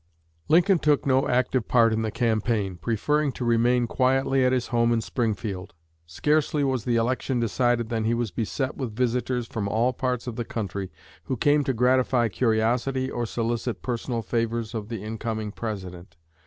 Lincoln took no active part in the campaign, preferring to remain quietly at his home in Springfield. Scarcely was the election decided than he was beset with visitors from all parts of the country, who came to gratify curiosity or solicit personal favors of the incoming President.